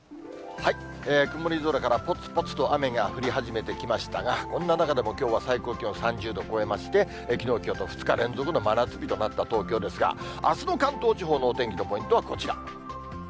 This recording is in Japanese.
曇り空からぽつぽつと雨が降り始めてきましたが、こんな中でもきょうは最高気温３０度超えまして、きのう、きょうと２日連続と真夏日となった東京ですが、あすの関東地方の天気のポイントはこちら。